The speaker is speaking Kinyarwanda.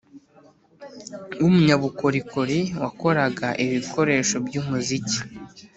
w’umunyabukorikori wakoraga ibikoresho by’umuziki